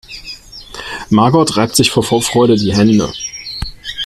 Margot reibt sich vor Vorfreude die Hände.